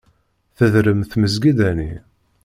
Tedrem tmesgida-nni.